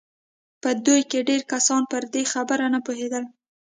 په دوی کې ډېر کسان پر دې خبره نه پوهېدل